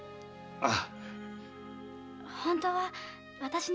ああ。